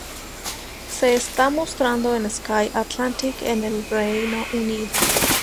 Se está mostrando en Sky Atlantic en el Reino Unido.